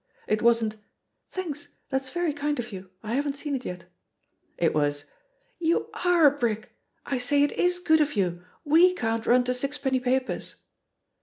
It wasn't, "Thanks, that's very kind of you, I haven't seen it yet;" it was, "You are a brick! I say, it is good of youl xve can't nm to sixpenny papers."